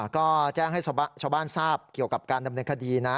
ก็แจ้งให้ชาวบ้านทราบเกี่ยวกับการดำเนินคดีนะ